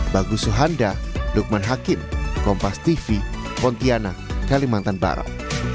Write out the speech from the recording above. bagusuhanda lukman hakim kompastv pontianak kalimantan barat